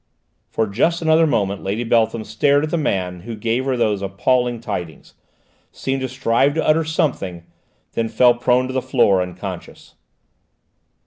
For just another moment Lady Beltham stared at the man who gave her these appalling tidings, seemed to strive to utter something, then fell prone to the floor, unconscious.